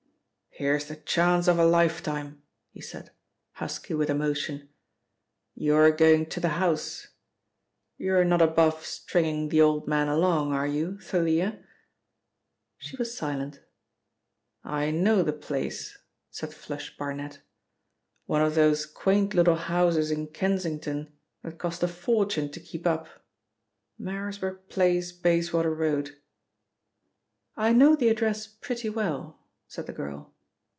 "Here's the chance of a lifetime," he said, husky with emotion. "You're going to the house. You're not above stringing the old man along, are you, Thalia?" She was silent. "I know the place," said 'Flush' Barnet, "one of those quaint little houses in Kensington that cost a fortune to keep up. Marisburg Place, Bayswater Road." "I know the address pretty well," said the girl.